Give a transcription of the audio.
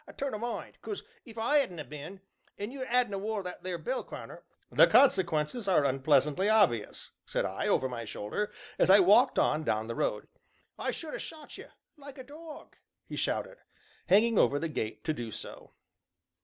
" turn o' mind, because if I 'adn't 'a' been, and you 'adn't 'a' wore that there bell crowner " "The consequences are unpleasantly obvious!" said I, over my shoulder, as I walked on down the road. " I should ha' shot ye like a dog!" he shouted, hanging over the gate to do so.